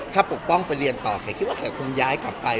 ถ้าปกป้องไปเรียนต่อแขกคิดว่าแขกคงย้ายกลับไป